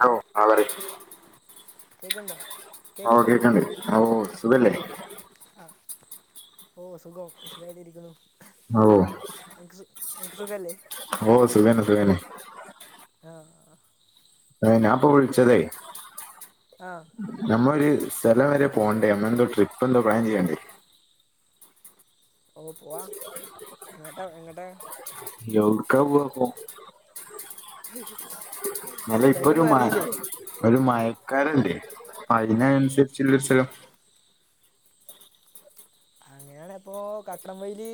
Hello ആഹ് പറയ് കേക്ക്‌ണ്ടോ ഓഹ് കേക്ക്‌ണ്ട് ഓഹ് സുഖല്ലേ ആഹ് ഓഹ് സുഖം സുഖായിട്ട് ഇരിക്ക്ണു ഓഹ് അൻക്ക് സു അൻക്ക് സുഖല്ലേ ഓഹ് സുഖന്നെ സുഖന്നെ ആഹ് ആഹ് അത് ഞാന്പ്പോ വിളിച്ചതേ ആഹ് നമ്മളൊര് സ്ഥലം വെരെ പോവണ്ടേ നമ്മളെന്തോ ട്രിപ്പ് എന്തോ പ്ലാൻ ചെയ്യണ്ടേ ഓഹ് പോവാം എങ്ങട്ടാ എങ്ങട്ടാ എവ്ട്ക്കാ പോവാ ഇപ്പോ നല്ല ഇപ്പൊ ഒരു സ്ഥലൊന്നും മ അറീല്ലേ ഒരു മയക്കാലല്ലേ അപ്പം അയിനനുസരിച്ച്ള്ളോര് സ്ഥലം അങ്ങനെയാണെ ഇപ്പോ കക്കം വൈലി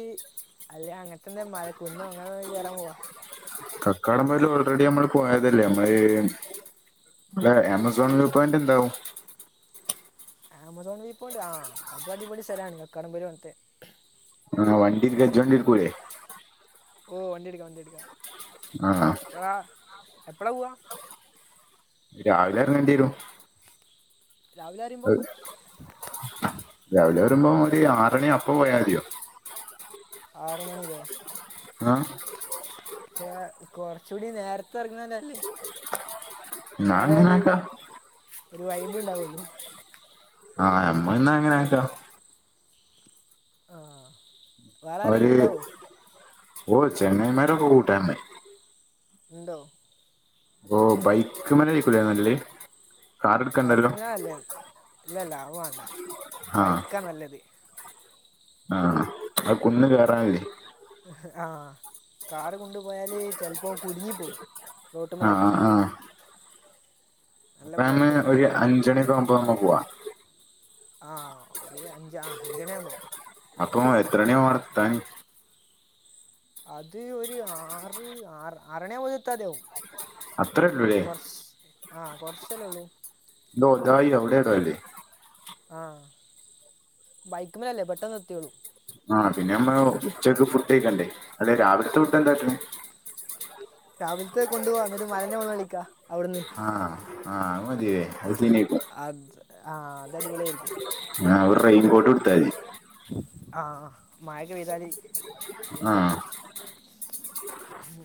അല്ലെ അങ്ങൻത്തെ എന്ത മല കുന്നോ അങ്ങനെ കയറാൻ പോവാ കക്കാടംപൊയ്ല് ഓൾറെഡി നമ്മള് പോയതല്ലേ നമ്മള് ഈ ടെ ആമസോൺ വ്യൂ പോയിന്റ് എന്താവും ആമസോൻ വീ പോയിന്റ് ആഹ് അതു അടിപൊളി സ്ഥലാണ് കക്കാടം പൊയ വന്നിട്ട് ആ വണ്ടി ഗജവണ്ടി അപ്പൊ എടുക്കൂലേ ഓഹ് വണ്ടിട്ക്കാ വണ്ടിട്ക്കാ ആ എപ്പഴാ എപ്പളാ പോവാ രാവിലെ എർങ്ങേണ്ടി വരും രാവിലെ അറിയുമ്പോൾ അഹ് രാവിലെ വരുമ്പോം ഒരു ആറണി അപ്പ പോയാ മതിയോ ആറ് മണില്ലേ ആഹ് പക്ഷേ കൊർച്ചുകൂടി നേരത്തെ എറങ്ങാന്നല്ലേ എന്നാ ഇന്നാലേ അങ്ങനെ ഒര് ആക്കാം ഒരു വൈബ് ഉണ്ടാവുള്ളൂ ആഹ് നമ്മള് ന്നാ അങ്ങനെ ആക്കണം ആഹ് അവര് ഓഹ് ചെങ്ങൈമാരൊക്കെ കൂട്ടാമ്മേ ഉണ്ടോ ഓഹ് ബൈക്ക്മേല് ആയിരിക്കൂലെ നല്ലേ ബൈക്കുമേല നല്ലെ ഇല്ലല്ല അത് വേണ്ട ആഹ് ബൈക്കാ നല്ലത് ആഹ് അത് കുന്ന് കേറാ [unintelligible] ആഹ് കാറ് കൊണ്ടു പോയാല് ചെൽപ്പോ കുട്ങ്ങി പോവും ആഹ് റോട്ടുമെലൊക്കെ അപ്പൊ നമ്മ ആയിരിക്കും ഒരു അഞ്ചണി ഒക്കെ ആവുമ്പോ നമ്മ പോവാ ആഹ് ഒരു അഞ്ച് ആഹ് അഞ്ചണിയാ പോവാം അപ്പൊ എത്രണി ആവും അവിടെത്താൻ ഏഹ്, അത് ഒരു ആറ് ആർ ആറണി ആവുമ്പോ എത്താതിയാവും അത്ര ഉള്ളൂല്ലേ കൊർച്ച് ആഹ് കൊർച്ചല്ലേ ഉള്ളൂ ഇത് ഒതായി അവിടെ ഔടെ അല്ലേ ആഹ് ബൈക്ക്മെലല്ലേ പെട്ടെന്ന് എത്തിയോളും ആഹ് പിന്നെ നമ്മള് ഉച്ചക്ക് ഫുഡ്‌ കഴിക്കണ്ടേ അതെ രാവിൽത്തെ ഫുഡ്‌ എന്താട്ട്ണ് രാവിൽത്തെ കൊണ്ടു പോവാ ന്നട്ട് മലേന്റെ മോളി കളിക്കാ ആഹ് ആഹ് അത് മതി ലെ അത് സീനായിരിക്കും അത് ആഹ് അത് അടിപൊളിയായിരിക്കും ആഹ് ഒരു റെയിൻകോട്ട് ഇട്‌ത്താതി ആഹ് മഴക്കെ പെയ്താല് സീനാണ് ആഹ്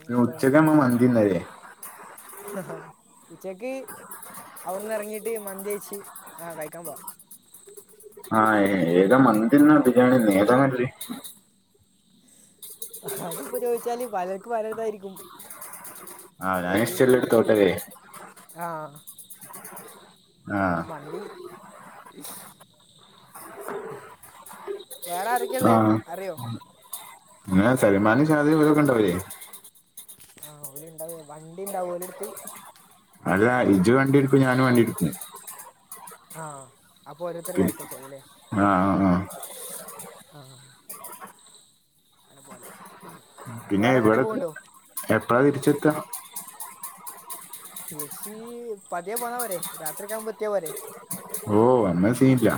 പിന്നെ ഉച്ചക്ക്‌ നമ്മള് മന്തി തിന്നാല്ലേ ഉച്ചക്ക് അവിട്ന്ന് എറങ്ങിയിട്ട് മന്തി കഴിച്ച് ആഹ് കഴിക്കാൻ പോവാം ആഹ് ഏതാ മന്തിന്നേ ബിരിയാണിന്നേ ഏതാ നല്ലത് അത്പ്പോ ചോയ്ച്ചാല് പലർക്ക് പല ഇതായിരിക്കും ആഹ് ഞാൻ ഹിസ്റ്ററിയില് എടുത്തോട്ടെ ലെ ആഹ് ആ മന്തി വേറെ ആരൊക്കയാ ഉള്ളേ അറിയോ എങ്ങനെ സൽമാനു ഷാദി ഇവരൊക്കെ ഉണ്ടാവേ ആഹ് ഓല്ണ്ടാവെ വണ്ടി ഇണ്ടാവോ ഓലെട്ത്ത് അല്ല ഇജ് വണ്ടി ഇട്ക്കും ഞാനും വണ്ടി ഇട്ക്കും ആഹ് അപ്പൊ ഓരോരുത്തര് ബാക്കി വെച്ച മതി അല്ലേ ആഹ് ആഹ് ആഹ് ആഹ് അങ്ങനെപോവാലെ പിന്നെ ഇവിടെക്ക് എപ്പഴാ തിരിച്ചെത്താ തിരിച്ച് പതിയെ പോന്നാ പോരെ രാത്രിയൊക്കെ ആകുമ്പോ എത്തിയാ പോരെ ഓ അന്ന സീനില്ല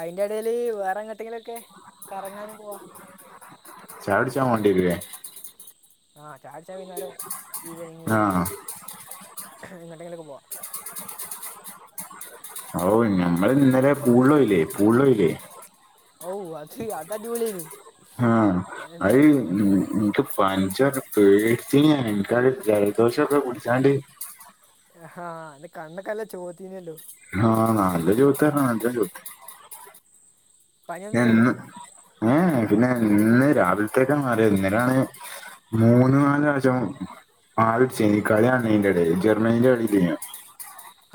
അയ്ന്റെ എടേല് വേറെങ്ങെട്ടേങ്കിലൊക്കെ കറങ്ങാനും പോവാ ചായ കുടിച്ചാൻ പോണ്ടിവരുലെ ആ ചായകുടിച്ചാൻ വൈന്നാരം ഈവനിങ് ആ എങ്ങട്ടെങ്കിലും പോവാ ഓ ഞമ്മൾ പിന്നെ ഇന്നലെ പൂളില് പോയില്ലേ പൂളല് പോയില്ലേ ഔ അത് അതടി പൊള്യേനി ഹാ അഹ് എനിക്ക് പഞ്ച പേടിച്ചീനി ഞാന് എനിക്കത് ജലദോഷൊക്കെ പുടിച്ചാണ്ട് ഹ അന്ന് കണ്ണക്കനല്ല ചോത്തീന്യല്ലോ ആഹ് നാല്ലൊ ചോവത്തി നല്ലോ ചോവത്തി പനിയൊന്നുമില്ലല്ലോ ഇന്ന് ഏ പിന്നെ ഇന്ന് രാവിൽത്തേക്കെ മാറി ഇന്നെലാണ് മൂന്ന് നാല് പ്രാവശ്യം ആരും [unintelligible] എടേല് ജർമ്മനീന്റെ കളില്യേന്യോ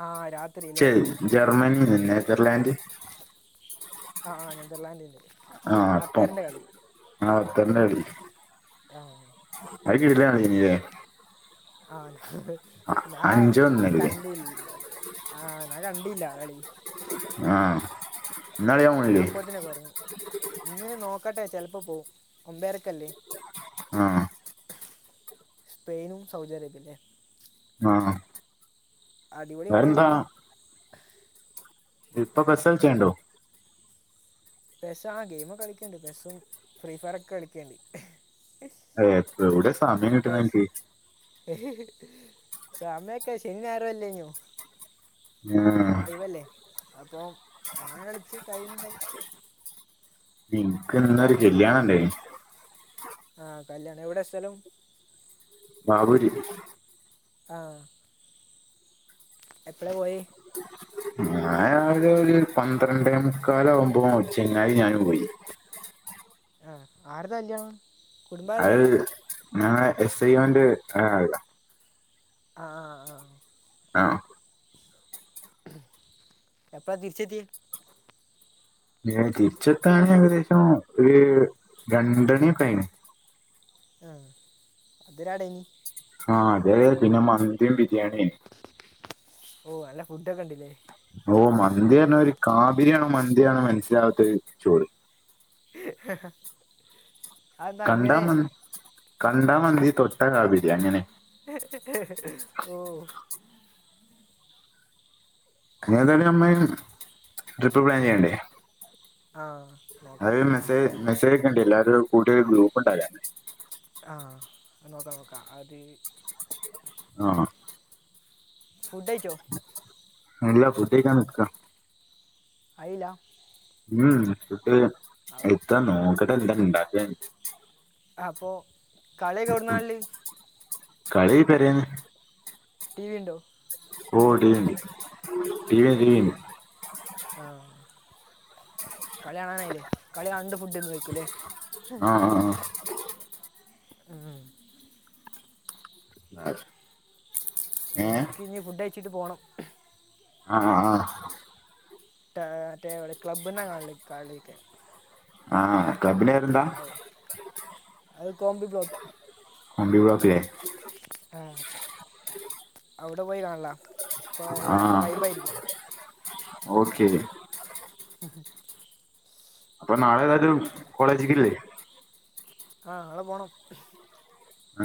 ആ രാത്രി അല്ലേ ശെരി ജർമ്മനി നെതർലാൻഡ് ആഹ് ആഹ് നെതർലാൻഡ് ഉണ്ട് ആഹ് അപ്പം ആത്തന്ന കളി ആഹ് അത് കിടിലം [unintelligible] ആത് ഞാൻ അഞ്ചേ ഒന്നല്ലേ കണ്ടിൽ ആഹ് ഞാൻ കണ്ടില്ല കളി ആഹ് ഇന്ന് കളി കാണാൻ ഞാൻ പോണില്ലേ അപ്പോത്തിനു ഒറങ്ങി ഇന്ന് നോക്കട്ടെ ചെലപ്പോ പോവും ഒമ്പേരക്കല്ലെ ആഹ് സ്പെയിനും സൗദി അറേബിയല്ലേ അഹ് ആഹ് അടിപൊളി വേറെന്താ കളിയായിരിക്കും ഇപ്പം പെസ്സൽ ചെയ്യണ്ടൊ പെസ്സ ആ ഗെയിമൊക്കെ കളിക്കണ്ട് പെസ്സും ഫ്രീ ഫയറൊക്കെ കളിക്കേണ്ട് എഹ് എവിടെ സമയം കിട്ടണൻക്ക് സമയൊക്കെ ശനി ഞായറൊ അല്യേന്യോ ആഹ് ഒയ് വെല്ലേ അപ്പൊ അങ്ങനെ കളിച്ച് ടൈം ഉണ്ടാവും ഇൻക്ക് പിന്നെ ഇന്നരു കെല്യാണണ്ടായ്നി ആഹ് കല്യാണം എവിടെ സ്ഥലം നാകൂരി ആഹ് എപ്പ്ളെ പോയെ ഞാൻ രാവിലെ ഒരു പന്ത്രണ്ടേമുക്കാലാകുമ്പോ ചങ്ങായി ഞാനു പോയി ആഹ് ആര്ടെ കല്യാണ അത് ഞങ്ങളെ എസ് ഐ മോന്റെ ആഹ് ആഹ് ആഹ് ആ ആഹ് എപ്പ തിരിച്ചെത്തി ഞൻ തിരിച്ചെത്താണ് ഏകദേശം ഒരു രണ്ടണിക്ക്യായിന് ആഹ് അതിരാടേനി ആഹ് അതെ പിന്നെ മന്തിം ബിരിയാണിയേനി ഓഹ് നല്ല ഫുഡൊക്കെ ഇണ്ട്ല്ലേ ഓഹ് മന്തി പറ്ഞ്ഞ ഒരു കാബരിയാണോ മന്ത്യാണോ മനസിലാവാത്തര് ചോറ്. [inaudible] കണ്ടാ അങ്ങനെ മന്തി കണ്ടാ മന്തി തൊട്ട കാബീരി അങ്ങനെ ഓഹ് ഞ് ഏതാലും നമ്മയ് ട്രിപ്പ് പ്ലാൻ ചെയ്യണ്ടെ ആഹ് അത് മെസ്സേജ് മെസ്സേജയ്ക്ക്ണ്ട് എല്ലാരും കൂട്ടി ഒരു ഗ്രൂപ്പ്ണ്ടാക്ക ആഹ് നോക്കാ നോക്കാ അത് ആഹ് ആഹ് ഫുഡയ്ച്ചോ ഇല്ല ഫുഡയ്ക്കാൻ നിക്കാ ആയില്ല ഉം ഉം ഫുഡ്‌ അ- എത്താ നോക്കട്ടെ എന്താ ഇണ്ടാക്കിയെന്ന് അപ്പൊ കളിയൊക്കെവട്ന്നാൺല് കളി പെരേന്ന് ടി വി ണ്ടോ ഓഹ് ടി വി ണ്ട് ടി വി എല്ലീഡിണ്ട് ആഹ് കളി കാണാനായില്ലേ കളി കണ്ട് ഫുഡ്ന്ന് കയിക്കൂല്ലേ ആഹ് ആഹ് ആഹ് ആഹ് അത് ഇൻക്കിനി ഫുഡയിച്ചിട്ട് പോണം ആഹ് ആഹ് ആഹ് റ്റാ മറ്റേ ക്ലബ്ബ്ന്നാ കാണല് കളിയെക്കെ അഹ് ആഹ് ആവു അത് കോംമ്പി ബ്ലോക്ക് [unintelligible] ആഹ് അവിടെ പോയി കാണലാ അപ്പ നല്ല ആ വൈബായിരിക്കും ഓക്കെ ഹാ ഹാ അപ്പൊ നാളെ ഏതായാലും കോളേജിക്കില്ലേ ആഹ് നാളെ പോണം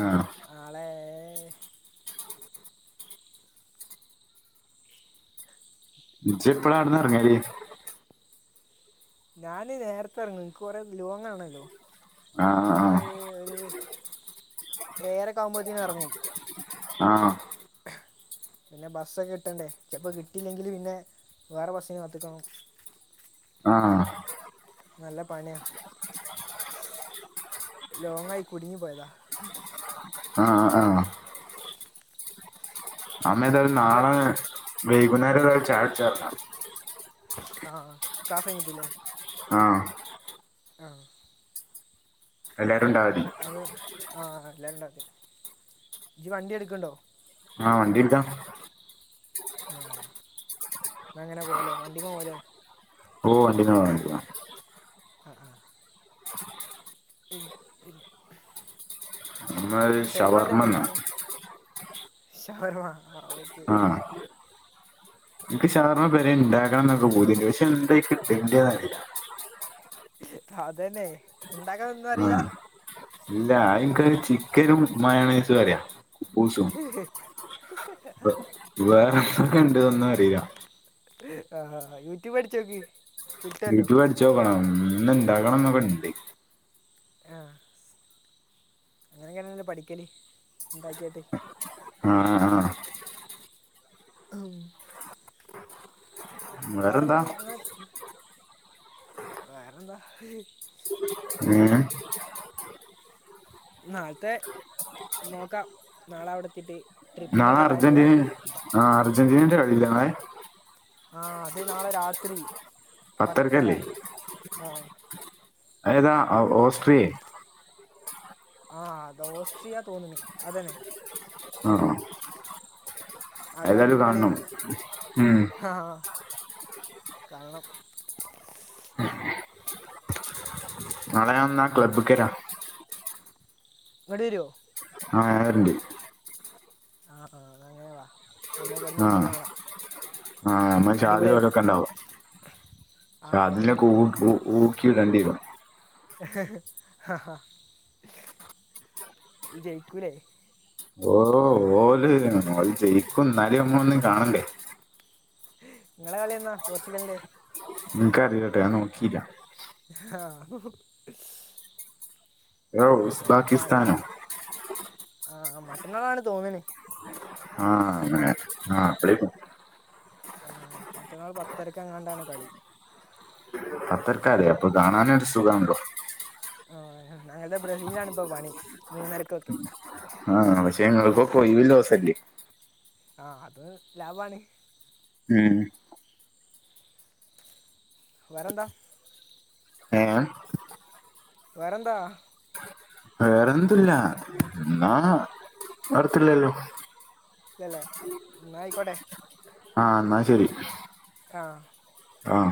ആഹ് നാളേ ഇജ്ജെപ്പളാ ആട്ന്നെറങ്ങല് ഞാന് നേരത്തെറങ്ങും എനിക്ക് കൊറേ ലോങ്ങാണല്ലോ ആ ഞാന് ഒര് ഏയരക്കാവുമ്പോത്തിനെറങ്ങും അഹ് ആഹ് പിന്നെ ബസ്സൊകെ കിട്ടണ്ടേ ചെലപ്പൊ കിട്ടിലെങ്കില് പിന്നെ വേറെ ബസ്സിന് കാത്ത്ക്കണം ആഹ് ആഹാ നല്ല പണിയാ ലോങ്ങായി കുടുങ്ങിപ്പോയതാ ആ ആ അമ്മേതായലും നാളെ ജപ് വൈകുന്നേരം ഇതായ ചായ [unintelligible] ആഹ് ക്ലാസ്സ് കഴിഞ്ഞിട്ട്ല്ലേ ആഹ് ആഹ് എല്ലാരുണ്ടാവില്ലേ അത് ആഹ് എല്ലാര്ണ്ടാദ്യം ഇജ്ജ് വണ്ടിയെട്ക്ക്ണ്ടോ ആഹ് വണ്ടിയെട്ക്കാം ആഹ് എന്നാങ്ങനെ പോവാലെ വണ്ടിമ്മെ പോവാലെ ഓഹ് വണ്ടിമ്മെ വേണെ പോവാം ആഹ് ആഹ് [unintelligible] നമ്മൾ സൽമാൻന്റെ ഷവർമ്മ എന്നാ ശവർമ്മ ആഹ് ഓക്കെ നിക്ക് ഷവർമ്മ പെരെണ്ടാക്കണംന്നൊക്കെ പൂതിണ്ട് പക്ഷെ എന്തായ്ക്ക്ടണ്ടേതറില്ലാ [unintelligible] അതെന്നെ ഉണ്ടാകാ [unintelligible] ആഹ് ഇല്ല അതിൻക്ക് ചിക്കനും മായോണയ്‌സും അറിയാ ഹ്ഹ വേറെന്തൊക്കെണ്ടതൊന്നും അറീലാ ആഹ് യൂട്യൂബ് അടിച്ചോക്ക് യൂടൂബടിച്ചോക്കണം ഇന്ന്ണ്ടാക്കണം [unintelligible] ആഹ് അങ്ങനെ ങ്ങെന്നല്ലോ പഠിക്കല് ഇണ്ടാക്കിട്ട് ആഹ് ആഹ് അം വേറെന്താ വേറൊന്നും ആഹ് വേറെന്താ എങ്ങനെ നാളത്തെ നോക്കാം നാളെവിടെത്തിട്ട് നാളെ അർജന്റീന ആഹ് അർജന്റീനേന്റെ കളില്ലെ നാളെ ആഹ് അതേ നാളെ രാത്രി പത്തര പത്തരക്കല്ലേ ആഹ് ഏതാ ഓസ്ട്രിയെ ആഹ് അത് ഓസ്ട്രിയ തോന്ന്ണ് അതന്നെ ആഹ് ആഹ് നല്ല അടിപൊളി കാണണം കളിയാരിക്കും ഉം ആഹ് കാണണം ഹേ നാളെ ഞാ വന്നാ ക്ലബ്ബ്ക്കരാ ഇങ്ങട്ട് വരോ ആഹ് [unintelligible] ആഹ് ആഹ് ന്നാ അങ്ങനെവാ നമ്മ ഇവിടന്നിരിന്ന് കാണാ ആഹ് നമ്മ ചാതിര ഓലൊക്കെണ്ടാവും ആ [unintelligible] ഊ ഊക്കിടേണ്ടിരും [unintelligible] ജയിക്കൂലെ ഓഹ് ഓല് ജയിക്കും എന്നാലും നമ്മളൊന്ന് കാണണ്ടെ നിങ്ങളെ കളിന്നാ പോർച്ചുഗലിൻ്റെ എനിക്കറിയില്ലട്ടോ ഞാൻ നോക്കില്ല ആഹ് [unintelligible] അതോ അപ്പൊ മ പാകിസ്ഥാനോ ആ മറ്റന്നാളാണ് തോന്ന്ണ് ആഹ് അങ്ങനെ ആഹ് അപ്പളെ മറ്റന്നാൾ പത്തരക്കെങ്ങാണ്ടാണ് കളി പത്തരക്കാ അറിയാം അപ്പൊ കാണാനൊരു സുഖണ്ടോ ആഹ് ഞങ്ങടെ ബ്രസീലാണ് ഇപ്പോ പണി മൂന്നരക്കൊക്കെ ആഹ് പക്ഷെ നിങ്ങക്കൊക്കെ ഒഴിവുള്ള ദിവസല്ലേ ആ അത് ലാഭാണ് ഉം വേറെന്താ എങ്ങനെയാണ് വേറെന്താ വേറെ ഒന്നുമില്ല എന്നാ വരുത്തില്ലല്ലോ ഇല്ല ഇല്ല എന്നാ ആയിക്കോട്ടെ ആഹ് എന്നാ ശരി ആഹ് ആഹ്